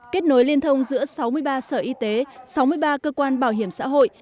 kết nối liên thông giữa sáu mươi ba sở y tế sáu mươi ba cơ quan bảo hiểm xã hội